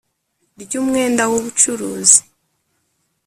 ry umwenda w ubucuruzi